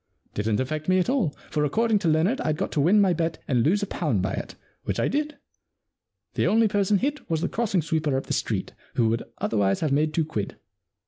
Didn't affect me at all, for according to Leonard Fd got to win my bet and lose a pound by it, which I did. The only person hit was the crossing sweeper up the street, who would otherwise have made two quid.